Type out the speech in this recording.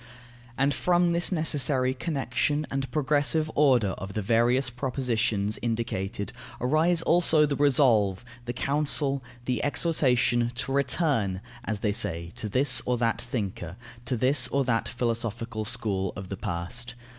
And from this necessary connection and progressive order of the various propositions indicated arise also the resolve, the counsel, the exhortation, to "return," as they say, to this or that thinker, to this or that philosophical school of the past.